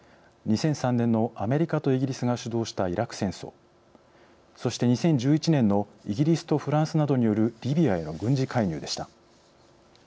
２００３年のアメリカとイギリスが主導したイラク戦争そして２０１１年のイギリスとフランスなどによるリビアへの軍事介入でした。